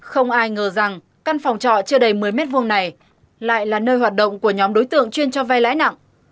không ai ngờ rằng căn phòng trọ chưa đầy một mươi m hai này lại là nơi hoạt động của nhóm đối tượng chuyên cho vay lãi nặng